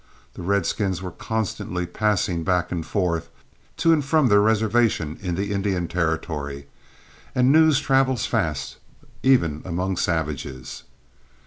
The redskins were constantly passing back and forth, to and from their reservation in the Indian Territory, and news travels fast even among savages.